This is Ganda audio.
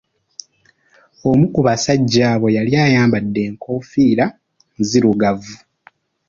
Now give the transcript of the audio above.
Omu ku basajja abo yali ayambadde enkofiira nzirugavu.